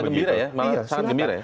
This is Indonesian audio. malah gembira ya